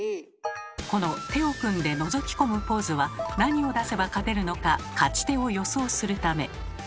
この手を組んでのぞき込むポーズは何を出せば勝てるのか勝ち手を予想するため。